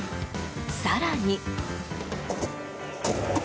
更に。